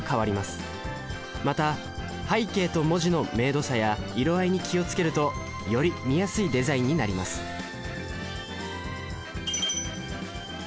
また背景と文字の明度差や色合いに気を付けるとより見やすいデザインになりますこんにちは。